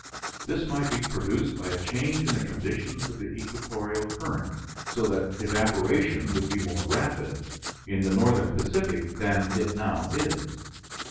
This might be produced by a change in the conditions of the equatorial current, so that evaporation would be more rapid in the northern Pacific than it now is.